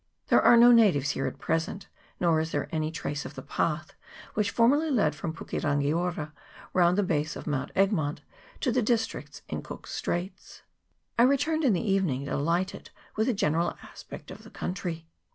There are no natives here at present, nor is there any trace of the path which formerly led from Puke rangi ora round the base of Mount Egmont to the districts in Cook's Straits. I returned in the evening delighted with the ge neral aspect of the country.